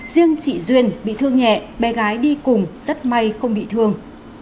riêng chị duyên bị thương nhẹ bé gái đi cùng rất may không bị thương